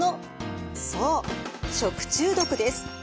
そう食中毒です。